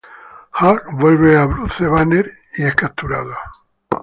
Hulk vuelve a Bruce Banner y es capturado.